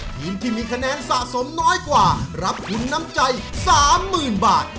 ทีมที่มีคะแนนสะสมน้อยกว่ารับทุนน้ำใจ๓๐๐๐บาท